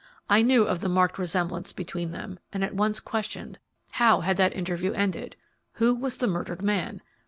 I knew of the marked resemblance between them, and at once questioned, How had that interview ended? Who was the murdered man?